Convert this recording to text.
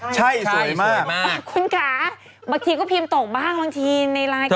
ใช่ใหญ่มากคุณค่ะบางทีก็พิมพ์ตกบ้างบางทีในไลน์ก็